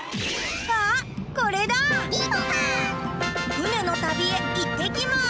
ふねのたびへいってきます。